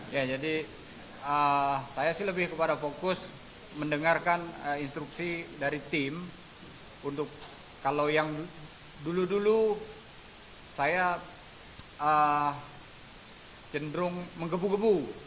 ya jadi saya sih lebih kepada fokus mendengarkan instruksi dari tim untuk kalau yang dulu dulu saya cenderung menggebu gebu